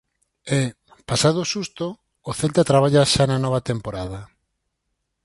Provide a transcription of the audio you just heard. E, pasado o susto, o Celta traballa xa na nova temporada.